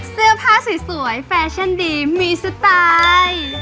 เสื้อผ้าสวยแฟชั่นดีมีสไตล์